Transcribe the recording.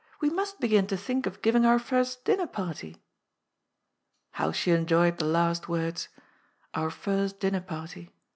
We must begin to think of giving our first dinner party." How she enjoyed the last words, " Our first dinner party